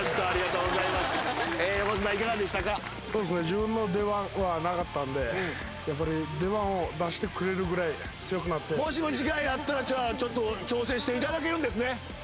そうですね自分の出番はなかったんでやっぱり出番を出してくれるぐらい強くなってもしも次回あったらじゃあちょっと挑戦していただけるんですね？